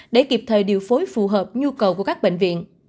để kịp thời điều phối phù hợp nhu cầu của các bệnh viện